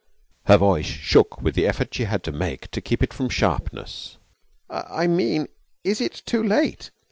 Her voice shook with the effort she had to make to keep it from sharpness. 'I mean, is it too late?